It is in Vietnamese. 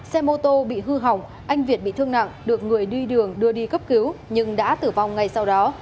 xe mô tô bị hư hỏng anh việt bị thương nặng được người đi đường đưa đi cấp cứu nhưng đã tử vong ngay sau đó